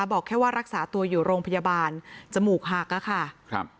บอกแค่ว่ารักษาตัวอยู่โรงพยาบาลจมูกหักอะค่ะครับ